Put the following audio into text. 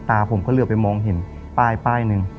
ตาผมก็เลือกไปมองเห็นป้ายนึง